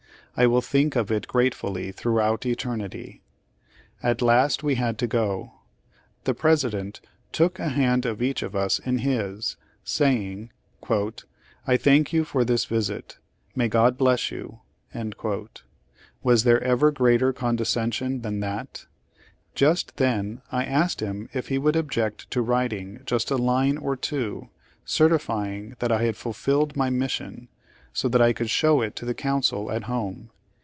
I will think of it gratefully throughout eternity. At last we had to go. The President took a hand of each of us in his, saying, 'I thank you for this visit. May God bless you.' Was there ever greater condescension than that? Just then I asked him if he would object to writing just a line or two, certifying that I had fulfilled my mission, so that I could show it to the council at home.